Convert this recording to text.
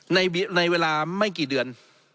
ในเวลาไม่กี่เดือน